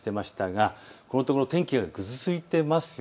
このところ天気がぐずついています。